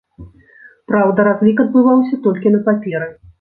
Праўда, разлік адбываўся толькі на паперы.